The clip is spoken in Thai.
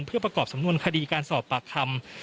เพื่อประกอบสำนวนคดีการสอบปากคำ